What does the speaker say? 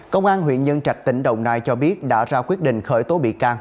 công an huyện nhân trạch tỉnh đồng nai cho biết đã ra quyết định khởi tố bị can